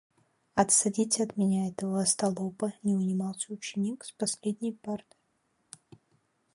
"Отсадите от меня этого остолопа!" - не унимался ученик с последней парты.